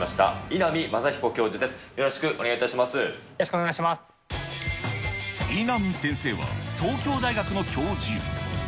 稲見先生は、東京大学の教授。